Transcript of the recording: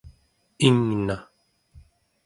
ingna